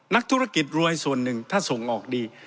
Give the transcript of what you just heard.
นักธุรกิจรวยส่วนหนึ่งถ้าส่งออกดี